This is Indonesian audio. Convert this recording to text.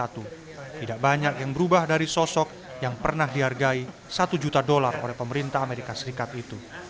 tidak banyak yang berubah dari sosok yang pernah dihargai satu juta dolar oleh pemerintah amerika serikat itu